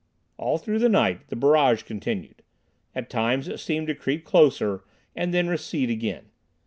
All through the night the barrage continued. At times it seemed to creep closer and then recede again.